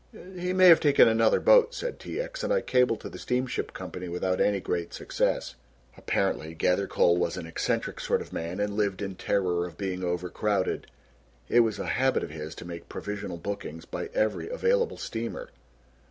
"He may have taken another boat," said T. X., "and I cabled to the Steamship Company without any great success. Apparently Gathercole was an eccentric sort of man and lived in terror of being overcrowded. It was a habit of his to make provisional bookings by every available steamer.